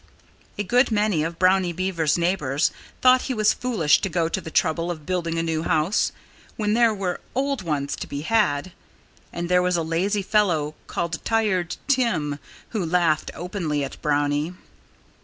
A good many of Brownie Beaver's neighbors thought he was foolish to go to the trouble of building a new house, when there were old ones to be had. And there was a lazy fellow called Tired Tim who laughed openly at Brownie.